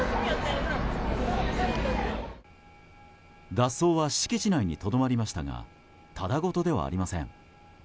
脱走は敷地内にとどまりましたがただ事ではありません。